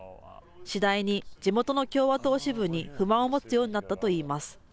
次第に地元の共和党支部に不満を持つようになったといいます。